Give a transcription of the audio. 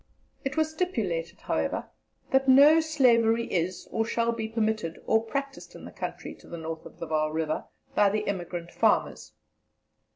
It was stipulated, however, that "no slavery is or shall be permitted or practised in the country to the north of the Vaal River by the emigrant farmers."